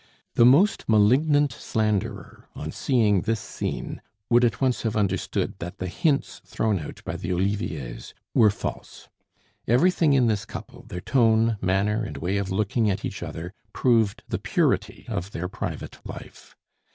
The most malignant slanderer on seeing this scene would at once have understood that the hints thrown out by the Oliviers were false. Everything in this couple, their tone, manner, and way of looking at each other, proved the purity of their private live.